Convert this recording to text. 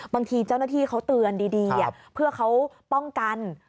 บางทีเจ้าหน้าที่เขาเตือนดีเพื่อเขาป้องกัน